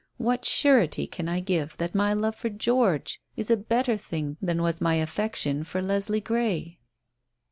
What surety can I give that my love for George is a better thing than was my affection for Leslie Grey?"